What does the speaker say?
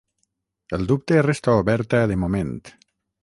El dubte resta oberta de moment.